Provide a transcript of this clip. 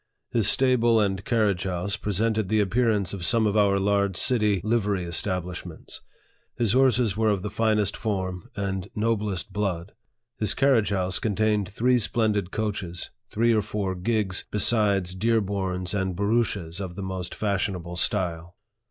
His stable and carriage house presented the appear ance of some of our large city livery establishments. His horses were of the finest form and noblest blood. His carriage house contained three splendid coaches, three or four gigs, besides dearborns and barouches of the most fashionable style.